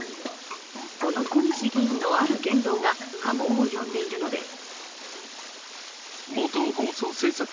その小西議員のある言動が波紋を呼んでいるのです。